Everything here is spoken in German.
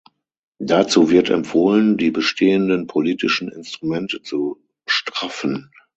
Dazu wird empfohlen, die bestehenden politischen Instrumente zu straffen.